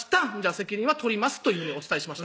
「責任はとります」というふうにお伝えしました